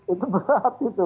itu berat gitu